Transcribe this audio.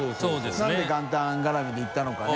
なんで元旦がらみで行ったのかね